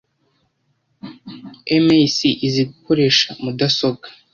Mac izi gukoresha mudasobwa .